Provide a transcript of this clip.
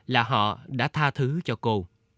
là họ đã tha thứ cho cô